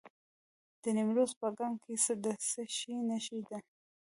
د نیمروز په کنگ کې د څه شي نښې دي؟